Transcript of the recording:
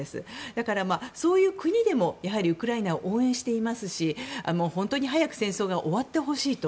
だから、そういう国でもウクライナを応援していますし本当に早く戦争が終わってほしいと。